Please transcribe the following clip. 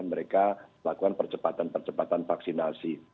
mereka melakukan percepatan percepatan vaksinasi